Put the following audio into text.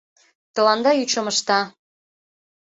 Тыланда ӱчым ышта...